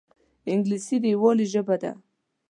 انګلیسي د یووالي ژبه ده